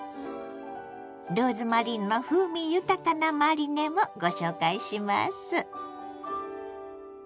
ローズマリーの風味豊かなマリネもご紹介します。